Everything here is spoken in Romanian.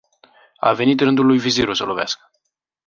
A venit rândul lui Viziru să lovească.